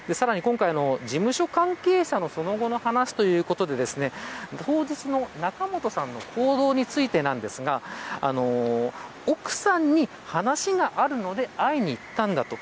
事務所関係者のその後の話は当日の仲本さんの行動についてなんですが奥さんに話があるので会いに行ったんだと。